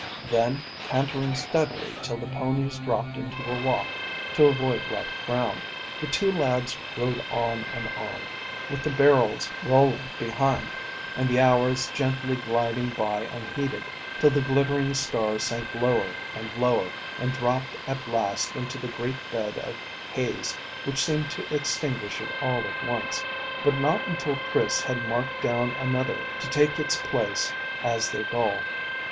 Then cantering steadily till the ponies dropped into a walk to avoid rough ground, the two lads rode on and on, with the barrels rolling behind, and the hours gently gliding by unheeded, till the glittering star sank lower and lower and dropped at last into the great bed of haze which seemed to extinguish it all at once, but not until Chris had marked down another to take its place as their goal.